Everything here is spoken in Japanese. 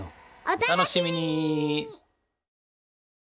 お楽しみに！